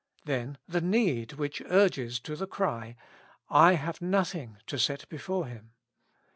Then the need which urges to the cry: '' I have nothing to set before him."